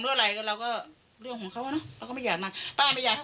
อะไรก็เราก็เรื่องของเขาอ่ะเนอะเราก็ไม่อยากมาป้าไม่อยากให้